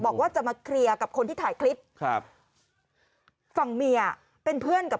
บอกว่าจะมาเคลียร์กับคนที่ถ่ายคลิปครับฝั่งเมียเป็นเพื่อนกับ